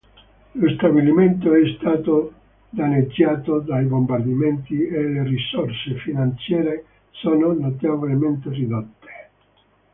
Lo stabilimento è stato danneggiato dai bombardamenti e le risorse finanziarie sono notevolmente ridotte.